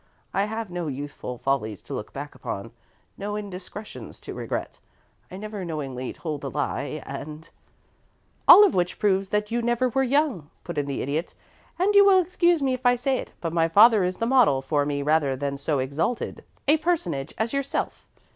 I have no youthful follies to look back upon, no indiscretions to regret; I never knowingly told a lie, and " "All of which proves that you never were young," put in the Idiot; "and you will excuse me if I say it, but my father is the model for me rather than so exalted a personage as yourself.